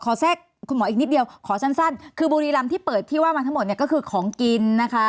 แทรกคุณหมออีกนิดเดียวขอสั้นคือบุรีรำที่เปิดที่ว่ามาทั้งหมดเนี่ยก็คือของกินนะคะ